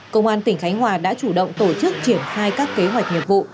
công an tỉnh khánh hòa đã chủ động tổ chức triển khai các kế hoạch nghiệp vụ